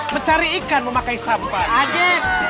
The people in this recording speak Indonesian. mencari ikan memakai sampah